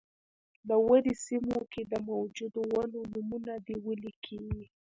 د ودې سیمو کې د موجودو ونو نومونه دې ولیکي.